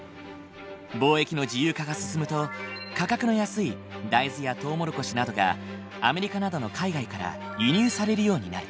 貿易の自由化が進むと価格の安い大豆やトウモロコシなどがアメリカなどの海外から輸入されるようになる。